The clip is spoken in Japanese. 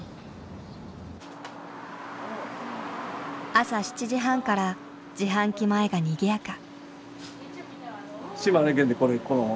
朝７時半から自販機前がにぎやか。